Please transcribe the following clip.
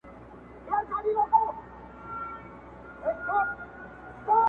له مطربه سره نسته نوی شرنګ نوي سورونه؛